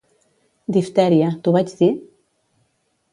Diftèria, t'ho vaig dir?